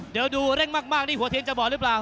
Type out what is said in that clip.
เดี๋ยวดูเร่งมากนี่หัวเทียนจะบอกหรือเปล่า